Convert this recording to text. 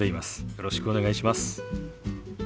よろしくお願いします。